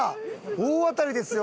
大当たりですよ